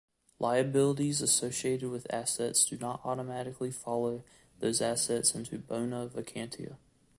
Liabilities associated with assets do not automatically follow those assets into "bona vacantia".